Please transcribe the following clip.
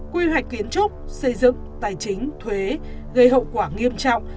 quy hoạch kiến trúc xây dựng tài chính thuế gây hậu quả nghiêm trọng